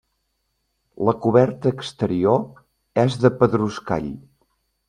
La coberta exterior és de pedruscall.